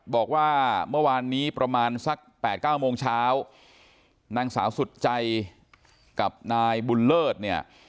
บอกว่าเมื่อวานนี้ประมาณสักแปดเก้าโมงเช้านางสาวสุดใจกับนายบุญเลิศเนี่ย